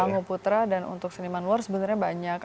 tamu putra dan untuk seniman luar sebenarnya banyak